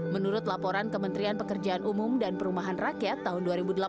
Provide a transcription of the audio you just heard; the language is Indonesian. menurut laporan kementerian pekerjaan umum dan perumahan rakyat tahun dua ribu delapan belas